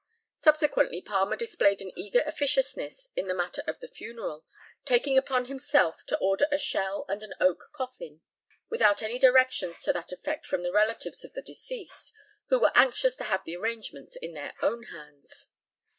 Subsequently Palmer displayed an eager officiousness in the matter of the funeral, taking upon himself to order a shell and an oak coffin without any directions to that effect from the relatives of the deceased, who were anxious to have the arrangements in their own hands.